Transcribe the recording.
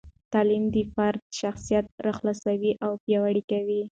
تعلیم د فرد شخصیت راخلاصوي او پیاوړي کوي.